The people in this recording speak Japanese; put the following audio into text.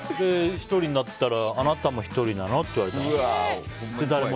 １人になったらあなたも１人なの？って言われたの？